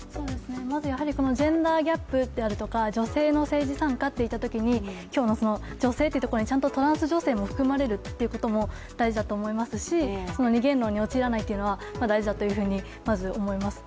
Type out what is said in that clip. まず、ジェンダーギャップであるとか女性の政治参加といったときに今日の女性というところに、ちゃんとトランス女性が含まれるというところも大事だと思いますし二元論に陥らないことも大事だなと思います。